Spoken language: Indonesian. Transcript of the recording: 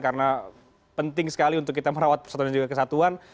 karena penting sekali untuk kita merawat persatuan dan juga kesatuan